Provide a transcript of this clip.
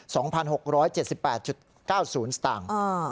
สองพันหกร้อยเจ็ดสิบแปดจุดเก้าศูนย์สตางค์อ่า